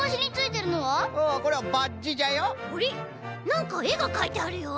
なんかえがかいてあるよ。